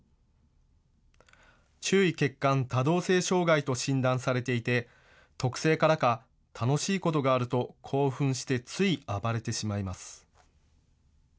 注意欠陥多動性障害と診断されていて特性からか楽しいことがあると興奮してつい暴れてしまいます。